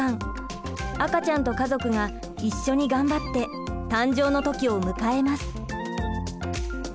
赤ちゃんと家族が一緒に頑張って誕生の時を迎えます。